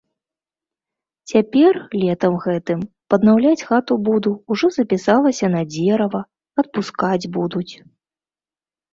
Цяпер, летам гэтым, паднаўляць хату буду, ужо запісалася на дзерава, адпускаць будуць.